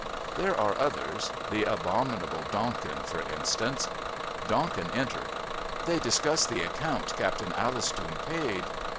There are others the abominable Donkin for instance. "Donkin entered. They discussed the account ... Captain Allistoun paid.